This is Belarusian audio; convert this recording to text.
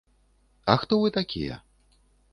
А хто вы такія?